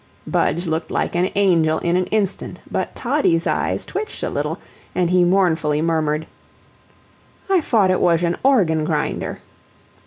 Budge looked like an angel in an instant, but Toddie's eyes twitched a little, and he mournfully murmured: "I fought it wash an organ grinder."